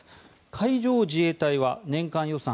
海上自衛隊は年間予算